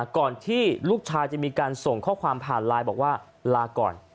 ก่อนที่ลูกชายจะมีการส่งข้อความผ่านไลน์บอกว่าลาก่อน